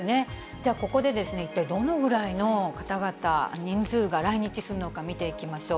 ではここで、一体どのくらいの方々、人数が来日するのか見ていきましょう。